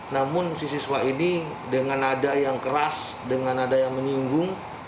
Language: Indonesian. namun si siswa ini dengan nada yang keras dengan nada yang menyinggung